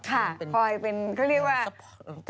ค่ะค่อยเป็นเขาเรียกว่าสปอร์ต